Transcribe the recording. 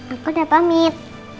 aku udah pamit